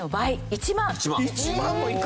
１万もいく？